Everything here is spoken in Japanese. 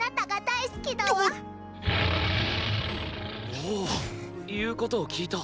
おお言うことを聞いた。